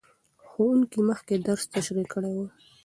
ښوونکی مخکې درس تشریح کړی و.